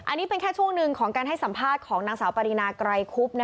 อันนี้เป็นแค่ช่วงหนึ่งของการให้สัมภาษณ์ของนางสาวปรินาไกรคุบ